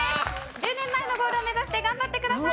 １０年前のゴールを目指して頑張ってください。